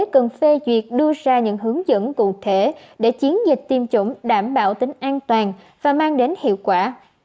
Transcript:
cần phê duyệt đưa ra những hướng dẫn cụ thể để chiến dịch tiêm chủng đảm bảo tính an toàn và mang đến hiệu quả